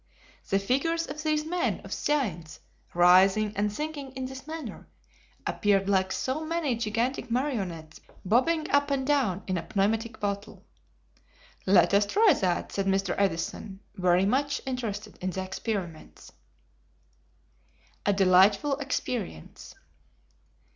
The figures of these men of science, rising and sinking in this manner, appeared like so many gigantic marionettes bobbing up and down in a pneumatic bottle. "Let us try that," said Mr. Edison, very much interested in the experiments. A Delightful Experience.